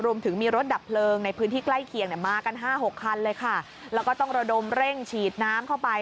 รวมถึงมีรถดับเพลิงในพื้นที่ใกล้เคียงเนี่ยมากันห้าหกคันเลยค่ะแล้วก็ต้องระดมเร่งฉีดน้ำเข้าไป